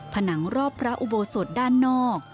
ผนังรอบพระอุโบสถด้านนอก